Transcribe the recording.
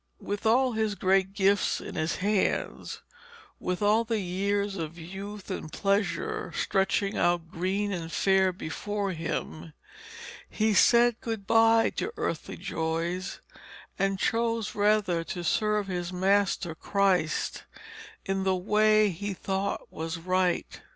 With all his great gifts in his hands, with all the years of youth and pleasure stretching out green and fair before him, he said good bye to earthly joys, and chose rather to serve his Master Christ in the way he thought was right.